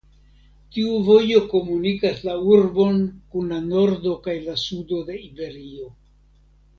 Tiu vojo komunikas la urbon kun la nordo kaj la sudo de Iberio.